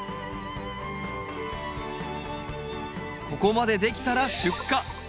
ここまでできたら出荷！